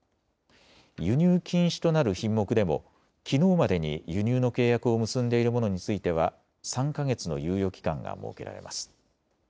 輸入禁止となる品目でもきのうまでに輸入の契約を結んでいるものについては３か月の猶予期間が設けられます。